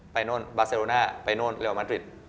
โน่นบาเซโรน่าไปโน่นเรลมัดริด